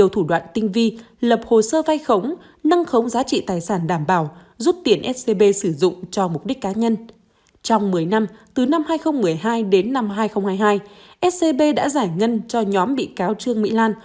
trong một mươi năm từ năm hai nghìn một mươi hai đến năm hai nghìn hai mươi hai scb đã giải ngân cho nhóm bị cáo trương mỹ lan